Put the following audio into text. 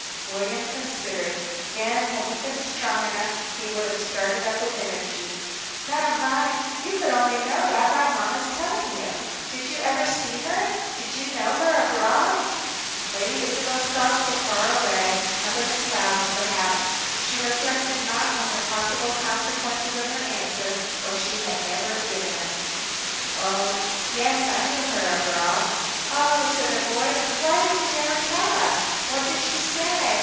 William considered. Then, had he been strong enough, he would have started up with energy. "Madame Vine, you could only know that by mamma's telling you! Did you ever see her? Did you know her abroad?" Lady Isabel's thoughts were far away up in the clouds perhaps. She reflected not on the possible consequences of her answer, or she had never given it. "Yes, I knew her abroad." "Oh!" said the boy. "Why did you never tell us? What did she say?